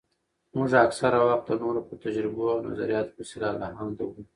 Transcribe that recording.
موږ اکثره وخت د نورو په تجربو او نظرياتو پسې لالهانده وو.